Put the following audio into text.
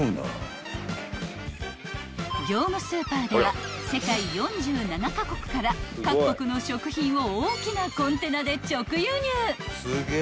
［業務スーパーでは世界４７カ国から各国の食品を大きなコンテナで直輸入］